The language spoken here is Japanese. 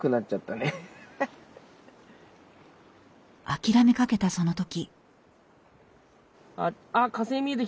諦めかけたその時。